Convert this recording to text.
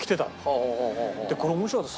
これ面白かった。